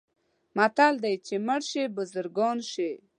متل دی: چې مړه شي بزرګان شي.